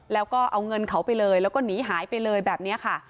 แล้วก็เอาเงินเขาไปเลยแล้วก็หนีหายไปเลยแบบนี้ค่ะ